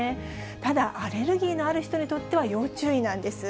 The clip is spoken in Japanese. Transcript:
ただアレルギーのある人にとっては要注意なんです。